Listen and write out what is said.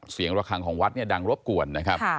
เสียงระคังของวัดดังรบกวนนะครับ